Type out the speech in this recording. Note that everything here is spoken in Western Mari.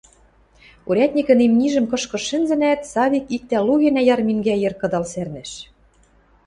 Урядникӹн имнижӹм кышкыж шӹнзӹнӓт, Савик иктӓ лу гӓнӓ йӓрмингӓ йӹр кыдал сӓрнӹш.